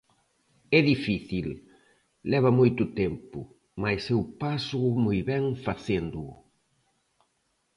É difícil, leva moito tempo, mais eu pásoo moi ben facéndoo.